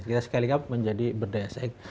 kita sekali kali menjadi berdaya saing